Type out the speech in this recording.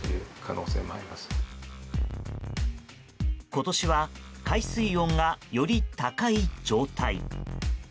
今年は海水温がより高い状態に。